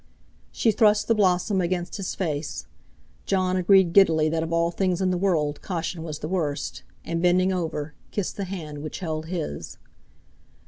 She thrust the blossom against his face; Jon agreed giddily that of all things in the world caution was the worst, and bending over, kissed the hand which held his.